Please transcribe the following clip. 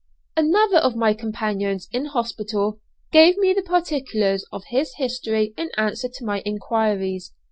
Another of my companions in hospital gave me the particulars of his history in answer to my enquiries.